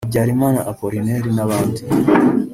Habyarimana Apollinaire n’abandi